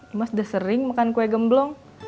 imas udah sering makan kue gemblong